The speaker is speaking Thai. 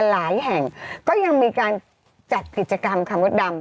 หลายแห่งก็ยังมีการจัดกิจกรรมค่ะมดดำ